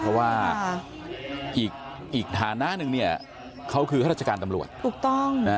เพราะว่าอีกฐานะหนึ่งเนี่ยเขาคือข้าราชการตำรวจถูกต้อง